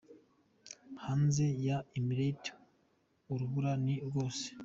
Hanze ya Emirates urubura ni rwose.